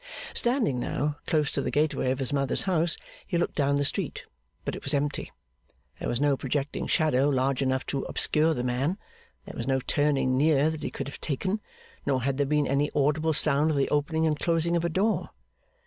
Standing now, close to the gateway of his mother's house, he looked down the street: but it was empty. There was no projecting shadow large enough to obscure the man; there was no turning near that he could have taken; nor had there been any audible sound of the opening and closing of a door.